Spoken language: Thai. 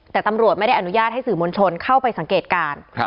แต่ตำรวจไม่ได้อนุญาตให้สื่อมวลชนเข้าไปสังเกตการณ์